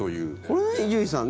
これ、伊集院さん